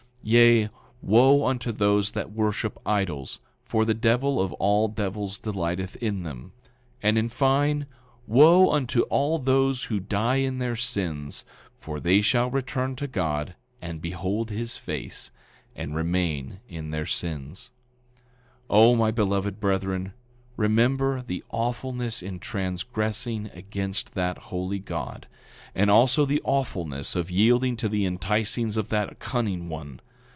9:37 Yea, wo unto those that worship idols, for the devil of all devils delighteth in them. 9:38 And, in fine, wo unto all those who die in their sins; for they shall return to God, and behold his face, and remain in their sins. 9:39 O, my beloved brethren, remember the awfulness in transgressing against that Holy God, and also the awfulness of yielding to the enticings of that cunning one.